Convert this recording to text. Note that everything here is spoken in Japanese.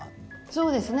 そうですね。